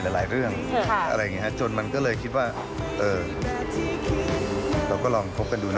ก็คือสองพระนางจากวิกน้อยสีเตย์จารินพรและอาเล็กทีรเดช